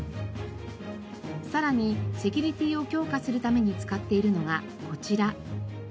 さらにセキュリティーを強化するために使っているのがこちら。